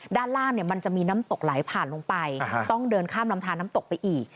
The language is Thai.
ด้านล่างมันจะมีน้ำตกไหลผ่านลงไปต้องเดินข้ามลำทานน้ำตกไปอีก